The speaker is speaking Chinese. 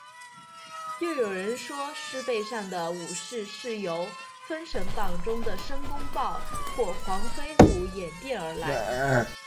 又有人说是狮背上的武士是由封神榜中的申公豹或黄飞虎演变而来。